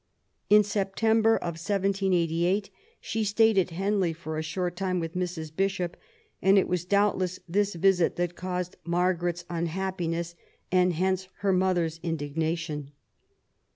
In September of 1788 she stayed at Henley for a short time with Mrs. Bishop ; and it was doubtless this visit that caused Margaret's unhappiness and hence her mother's indignation.